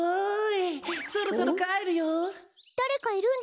そろそろかえるよ！